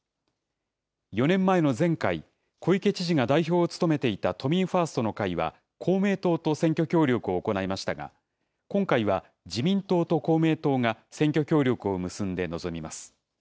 ４年前の前回、小池知事が代表を務めていた都民ファーストの会は、公明党と選挙協力を行いましたが、今回は自民党と公明党が選挙協力を結んで臨みます。